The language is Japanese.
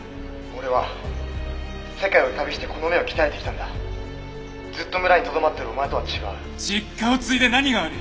「俺は世界を旅してこの目を鍛えてきたんだ」「ずっと村にとどまってるお前とは違う」実家を継いで何が悪い？